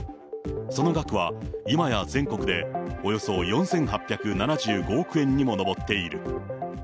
その額は今や全国でおよそ４８７５億円にも上っている。